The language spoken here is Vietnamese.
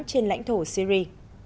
trên lãnh thổ syri